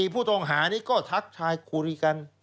ผู้ต้องหานี้ก็ทักทายคุยกัน